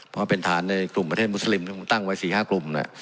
เพราะเป็นฐานในกลุ่มประเทศมุสลิมตั้งไว้สี่ห้ากลุ่มน่ะ